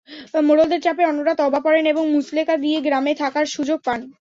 মোড়লদের চাপে অন্যরা তওবা পড়েন এবং মুচলেকা দিয়ে গ্রামে থাকার সুযোগ পান।